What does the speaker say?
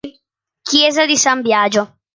Chiesa di San Biagio